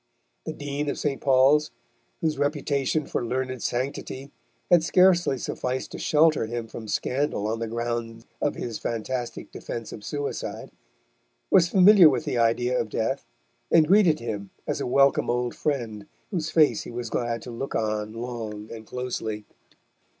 The Dean of St. Paul's, whose reputation for learned sanctity had scarcely sufficed to shelter him from scandal on the ground of his fantastic defence of suicide, was familiar with the idea of Death, and greeted him as a welcome old friend whose face he was glad to look on long and closely.